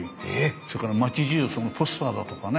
それから町じゅうポスターだとかね